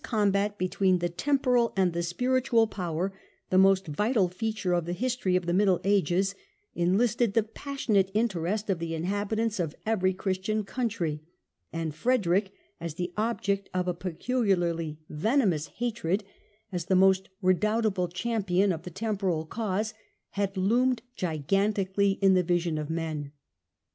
This combat between the temporal and the spiritual power, the most vital feature of the history of the Middle Ages, enlisted the passionate interest of the inhabitants of every Christian country : and Frederick, as the object of a peculiarly venomous 284 STUPOR MUNDI hatred, as the most redoubtable champion of the tem poral cause, had loomed gigantically in the vision of men.